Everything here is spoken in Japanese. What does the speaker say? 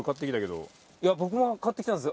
僕も買ってきたんですよ。